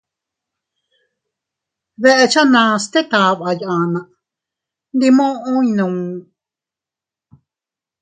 Deʼechanas tet aʼaba yanna, ndi muʼu ekku.